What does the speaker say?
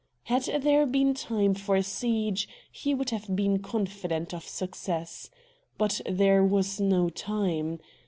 Had there been time for a siege, he would have been confident of success. But there was no time.